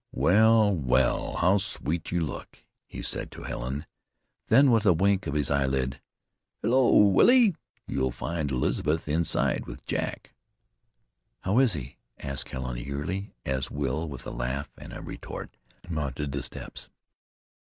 "Well, well, how sweet you look!" he said to Helen; then with a wink of his eyelid, "Hello, Willie, you'll find Elizabeth inside with Jack." "How is he?" asked Helen eagerly, as Will with a laugh and a retort mounted the steps.